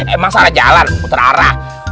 emang salah jalan putra